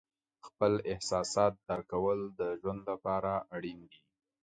خپل احساسات درک کول د ژوند لپاره اړین دي.